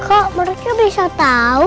kok mereka bisa tau